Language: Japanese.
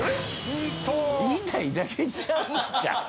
言いたいだけちゃうんか。